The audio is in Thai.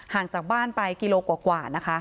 งจากบ้านไปกิโลกว่านะคะ